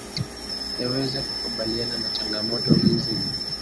yaweze kukabiliana na changamoto hizi